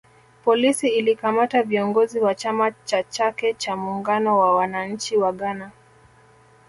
Polisi ilikamata viongozi wa chama cha chake cha muungano wa wananchi wa Ghana